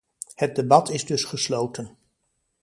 Het debat is dus gesloten.